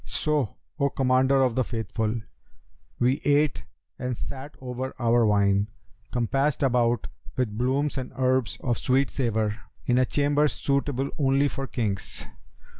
So, O Commander of the Faithful, we ate, and sat over our wine, compassed about with blooms and herbs of sweet savour, in a chamber suitable only for kings.